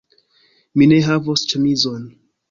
Mi ne havos ĉemizon